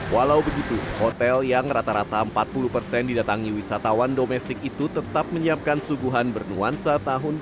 walau begitu hotel yang rata rata empat puluh didatangi wisatawan domestik itu tetap menyiapkan suguhan bernuansa tahun baru imlek